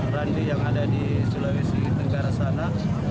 randi yang ada di sulawesi tenggara sana